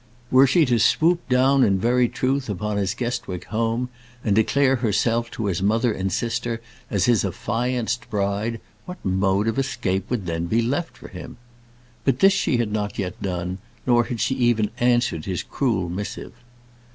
Were she to swoop down in very truth upon his Guestwick home, and declare herself to his mother and sister as his affianced bride, what mode of escape would then be left for him? But this she had not yet done, nor had she even answered his cruel missive.